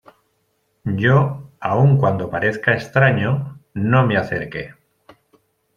yo, aun cuando parezca extraño , no me acerqué.